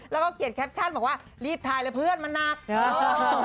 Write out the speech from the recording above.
แล้วก็เขียนแคปชั่นบอกว่ารีบถ่ายเลยเพื่อนมันหนัก